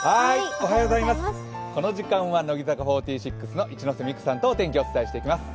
この時間は乃木坂４６の一ノ瀬美空さんとお天気をお伝えします。